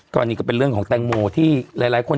ก็นี่ก็เป็นเรื่องของแตงโมที่หลายคน